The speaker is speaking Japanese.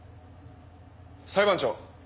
裁判長。